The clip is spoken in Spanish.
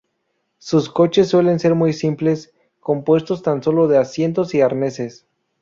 Sus coches suelen ser muy simples, compuestos tan solo de asientos y arneses.